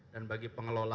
dan bagi pengelola